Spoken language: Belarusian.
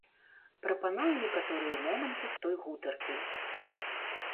Прапаную некаторыя моманты з той гутаркі.